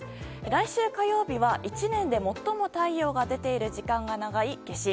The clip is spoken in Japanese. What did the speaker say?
来週火曜日は、１年で最も太陽が出ている時間が長い夏至。